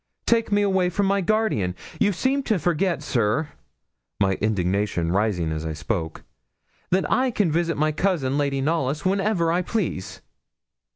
Take me away from my guardian! You seem to forget, sir,' my indignation rising as I spoke, 'that I can visit my cousin, Lady Knollys, whenever I please.'